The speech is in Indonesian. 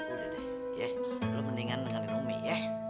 udah deh ya lo mendingan dengerin umi ya